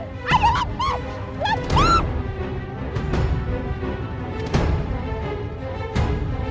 kinipin sempit dari wilayah